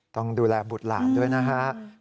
ต้องดูแลบุตรหลานด้วยนะครับ